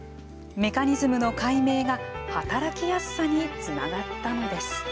メカニズムの解明が働きやすさにつながったのです。